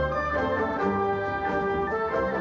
สวัสดีครับ